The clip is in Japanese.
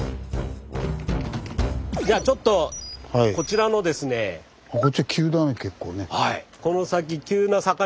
じゃあちょっとこちらのですね。